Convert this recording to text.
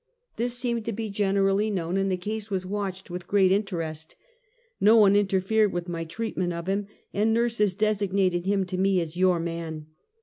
This seemed to be generally known, and the case was watched with great interest. ISTo one interfered with my treatment of him, and nurses designated him to me as " your man."